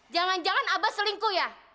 jangan jangan abah selingkuh ya